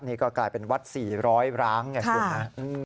นี่ก็กลายเป็นวัด๔๐๐ร้างไงคุณนะ